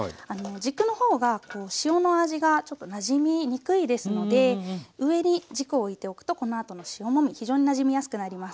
軸の方が塩の味がちょっとなじみにくいですので上に軸を置いておくとこのあとの塩もみ非常になじみやすくなります。